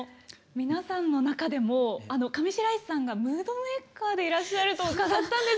皆さんの中でも上白石さんがムードメーカーでいらっしゃると伺ったんですけど。